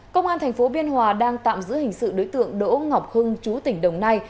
công an tp biên hòa đang tạm giữ hình sự đối tượng đỗ ngọc hưng chú tỉnh đồng nai